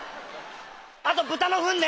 あと豚のフンね！